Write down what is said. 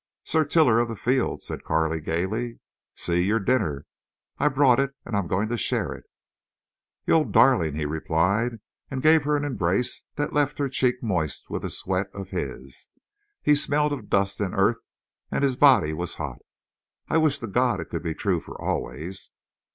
"Sir Tiller of the Fields," said Carley, gayly, "see, your dinner! I brought it and I am going to share it." "You old darling!" he replied, and gave her an embrace that left her cheek moist with the sweat of his. He smelled of dust and earth and his body was hot. "I wish to God it could be true for always!"